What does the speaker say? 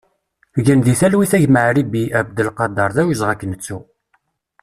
Gen di talwit a gma Aribi Abdelkader, d awezɣi ad k-nettu!